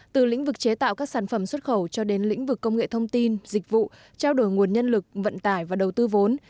từ lĩnh vực chế tạo các sản phẩm xuất khẩu cho đến lĩnh vực công nghệ thông tin dịch vụ trao đổi nguồn nhân lực vận tải và đầu tư vốn